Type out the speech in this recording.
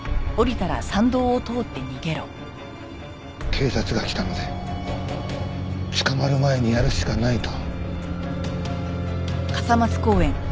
警察が来たので捕まる前にやるしかないと。